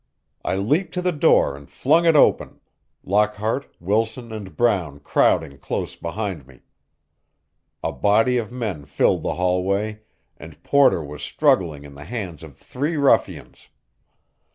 I leaped to the door and flung it open, Lockhart, Wilson and Brown crowding close behind me. A body of men filled the hallway, and Porter was struggling in the hands of three ruffians.